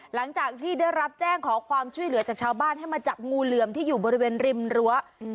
หลังจากที่ได้รับแจ้งขอความช่วยเหลือจากชาวบ้านให้มาจับงูเหลือมที่อยู่บริเวณริมรั้ว